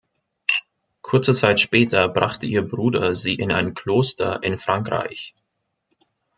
Kurze Zeit später brachte ihr Bruder sie in ein Kloster in Frankreich.